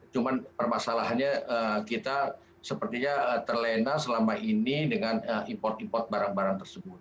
cuma permasalahannya kita sepertinya terlena selama ini dengan import import barang barang tersebut